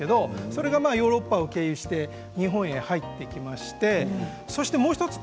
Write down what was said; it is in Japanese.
それがヨーロッパを経由して日本へ入ってきましてそして、もう１つ。